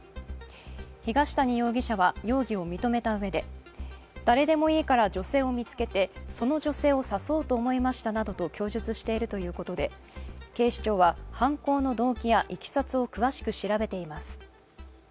東谷容疑者は容疑を認めたうえで、誰でもいいから女性を見つけてその女性を刺そうと思いましたなどと供述しているということで警視庁は犯行の動機やいきさつを詳しく調べています。